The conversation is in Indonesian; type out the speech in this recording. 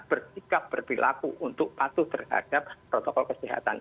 bagaimana berpilaku untuk patuh terhadap protokol kesehatan